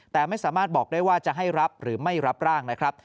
แต่ไม่สามารถบอกได้ว่าจะให้รับหรือไม่รับร่างนะครับ